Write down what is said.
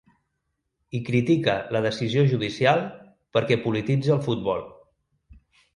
I critica la decisió judicial perquè ‘polititza el futbol’.